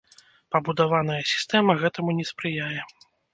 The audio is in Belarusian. Пабудаваная сістэма гэтаму не спрыяе.